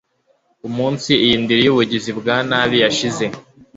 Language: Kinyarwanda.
umunsi iyi ndiri yubugizi bwa nabi yashinzwe